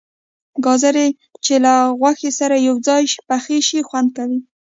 گازرې چې له غوښې سره یو ځای پخې شي خوند کوي.